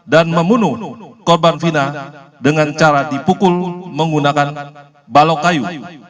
dan memunuh korban vina dengan cara dipukul menggunakan balok kayu